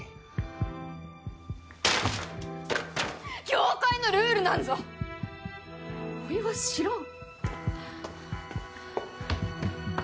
業界のルールなんぞおいは知らん。